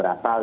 baik pak soni